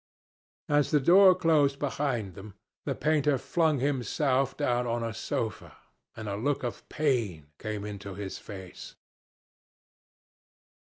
As the door closed behind them, the painter flung himself down on a sofa, and a look of pain came into his face.